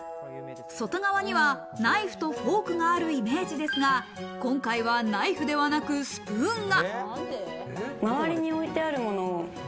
外側にはナイフとフォークがあるイメージですが、今回はナイフではなくスプーンが。